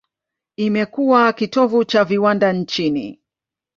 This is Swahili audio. Imekuwa kitovu cha viwanda nchini.